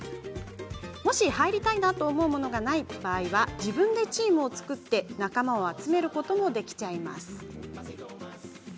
もし入りたいものがないと思ったら、自分でチームを作って仲間を集めることもできちゃうんです。